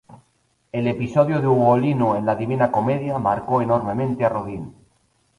El episodio de Ugolino en la "Divina Comedia" marcó enormemente a Rodin.